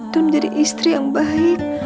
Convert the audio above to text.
dan menjadi istri yang baik